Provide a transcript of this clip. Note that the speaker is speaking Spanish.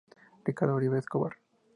Ricardo Uribe Escobar